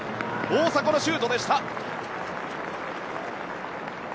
大迫のシュートでした。